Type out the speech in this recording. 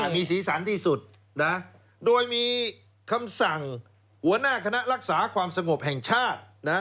มีสีสันที่สุดโดยมีคำสั่งหัวหน้าคณะรักษาความสงบแห่งชาติ